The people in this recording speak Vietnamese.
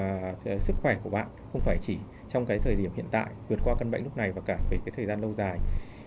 và đối với cái việc mà sức khỏe của bạn không phải chỉ trong cái thời điểm hiện tại vượt qua căn bệnh lúc này và cả về cái thời gian lâu dài